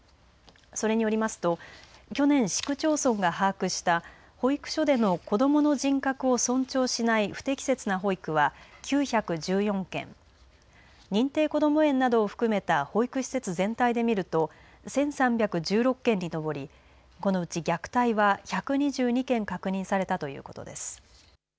それによりますと去年、市区町村が把握した保育所での子どもの人格を尊重しない不適切な保育は９１４件認定こども園などを含めた保育施設全体で見ると１３１６件に上りこのうち虐待は１２２件確認されたということです。